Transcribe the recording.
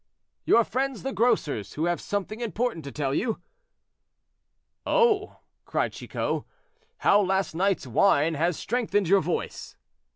"Your friends the grocers, who have something important to tell you." "Oh!" cried Chicot; "how last night's wine has strengthened your voice."